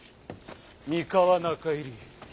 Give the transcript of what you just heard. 三河中入り